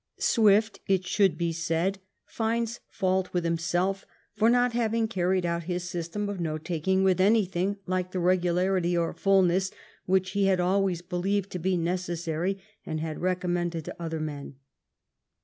Swift, it should be said, finds fault with himself for not having carried out his system of note taking with anything like the regularity or fulness which he had always believed to be necessary and had recom mended to other men.